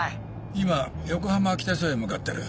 今横浜北署へ向かってる。